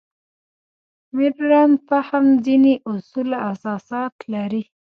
مډرن فهم ځینې اصول او اساسات لري.